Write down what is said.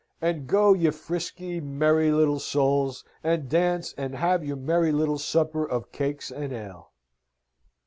And go, ye frisky, merry little souls! and dance, and have your merry little supper of cakes and ale!